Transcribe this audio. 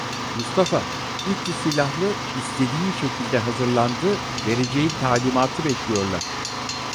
Mustafa, üç yüz silahlı, istediğin şekilde hazırlandı; vereceğin talimatı bekliyorlar.